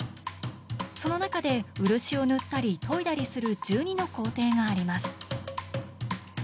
その中で漆を塗ったり研いだりする１２の工程があります。